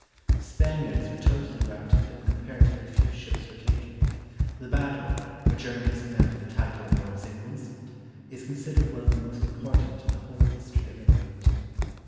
The Spaniards were totally routed and comparatively few ships were taken; the battle, which earned its commander the title of Lord St. Vincent, is considered one of the most important in the whole history of England.